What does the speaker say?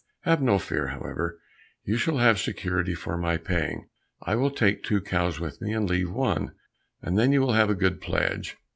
Have no fear, however, you shall have security for my paying. I will take two cows with me and leave one, and then you will have a good pledge."